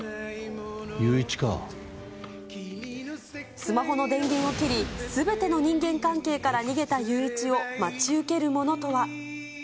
スマホの電源を切り、すべての人間関係から逃げた裕一を待ち受けるものとは。